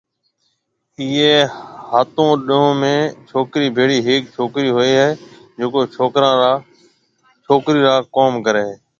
ايئيَ ھاتون ڏنون ۾ ڇوڪرِي ڀيڙِي ھيَََڪ ڇوڪرِي ھوئيَ ھيََََ جڪو ڇوڪرِي را ڪوم ڪرَي ھيََََ